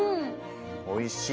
おいしい。